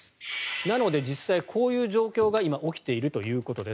なので実際こういう状況が今起きているということです。